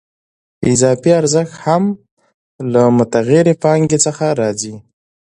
اضافي ارزښت هم له متغیرې پانګې څخه راځي